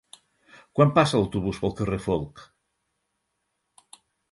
Quan passa l'autobús pel carrer Folc?